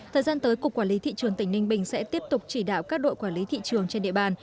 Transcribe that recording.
thời gian tới cục quản lý thị trường tỉnh ninh bình sẽ tiếp tục chỉ đạo các đội quản lý thị trường trên địa bàn